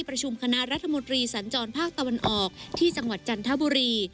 ประชุมคณะรัฐมนตรีสัญจรภาคตะวันออกที่จังหวัดจันทบุรี